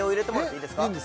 いいんですか？